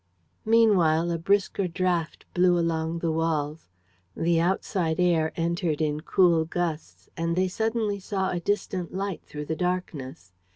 Meanwhile a brisker draught blew along the walls. The outside air entered in cool gusts; and they suddenly saw a distant light through the darkness.